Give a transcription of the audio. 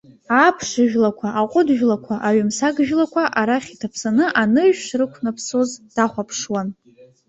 Аԥшыжәлақәа, аҟәыджәлақәа, аҩымсагжәлақәа, арахь иҭаԥсаны анышә шрықәнаԥсоз дахәаԥшуан.